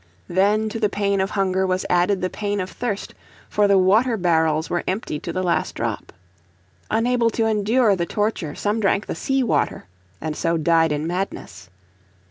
Then to the pain of hunger was added the pain of thirst, for the water barrels were emptied to the last drop. Unable to endure the torture some drank the sea, water and so died in madness.